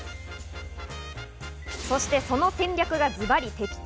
そしてその戦略がズバリ的中！